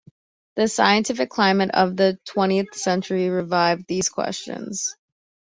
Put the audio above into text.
The scientific climate of the twentieth century revived these questions.